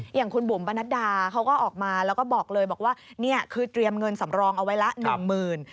อย่างคุณบุ๋มปนัดดาเขาก็ออกมาแล้วก็บอกเลยบอกว่านี่คือเตรียมเงินสำรองเอาไว้ละหนึ่งหมื่น